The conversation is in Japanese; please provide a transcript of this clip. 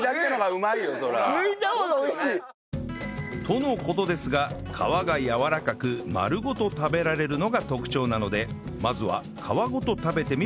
との事ですが皮がやわらかく丸ごと食べられるのが特徴なのでまずは皮ごと食べてみる事に